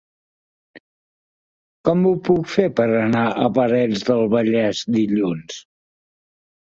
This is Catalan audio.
Com ho puc fer per anar a Parets del Vallès dilluns?